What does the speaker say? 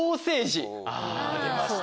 出ました。